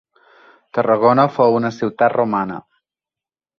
Tarragona fou una ciutat romana.